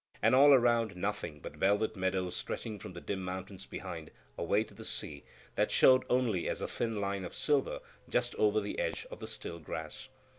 And all around nothing but velvet meadows stretching from the dim mountains behind, away to the sea, that showed only as a thin line of silver just over the edge of the still grass.